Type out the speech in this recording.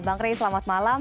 bang ray selamat malam